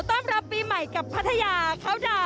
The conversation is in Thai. ต้องรับปีใหม่กับพัทยา